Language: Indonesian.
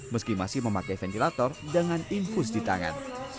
meski masih memakai ventilator dengan infus di tangan